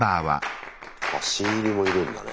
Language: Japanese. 新入りもいるんだね。